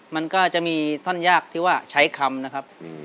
มันก็จะมีท่อนยากที่ว่าใช้คำนะครับ